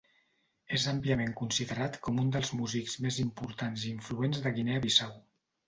És àmpliament considerat com un dels músics més importants i influents de Guinea Bissau.